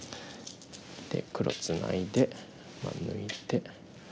で黒ツナいで抜いて。